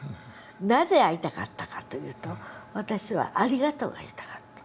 なぜ会いたかったかというと私は「ありがとう」が言いたかった。